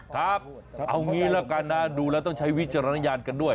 ครับเอางี้ละกันนะดูแล้วต้องใช้วิจารณญาณกันด้วย